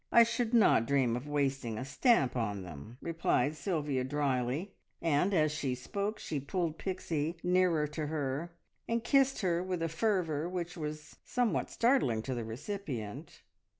I should not dream of wasting a stamp on them," replied Sylvia drily, and as she spoke she pulled Pixie nearer to her, and kissed her with a fervour which was somewhat startling to the recipient.